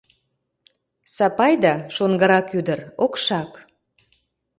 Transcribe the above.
Сапайда, шоҥгырак ӱдыр, окшак.